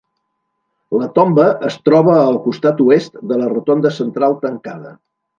La tomba es troba al costat oest de la rotonda central tancada.